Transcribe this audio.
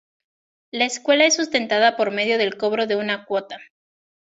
La escuela es sustentada por medio del cobro de una cuota.